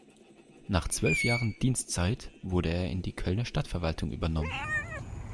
Nach zwölf Jahren Dienstzeit wurde er in die Kölner Stadtverwaltung übernommen.